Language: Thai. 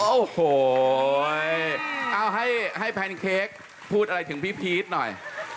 โอ้โหเอาให้แพนเค้กพูดอะไรถึงพี่พีชหน่อย